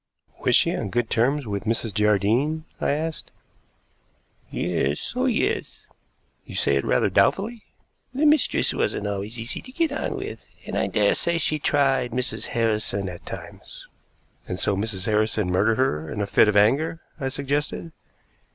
"Was she on good terms with Mrs. Jardine?" I asked. "Yes, oh, yes." "You say it rather doubtfully?" "The mistress wasn't always easy to get on with, and I daresay she tried Mrs. Harrison at times." "And so Mrs. Harrison murdered her in a fit of anger," I suggested.